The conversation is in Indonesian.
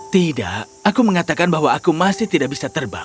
tidak aku mengatakan bahwa aku masih tidak bisa terbang